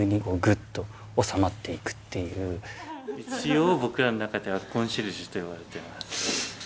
一応僕らの中ではコンシェルジュと呼ばれています。